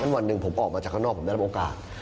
วันหนึ่งผมออกมาจากข้างนอกผมได้รับโอกาส